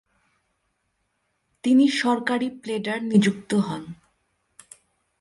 তিনি সরকারী প্লেডার নিযুক্ত হন।